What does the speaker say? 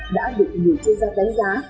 đã được nhiều chuyên gia đánh giá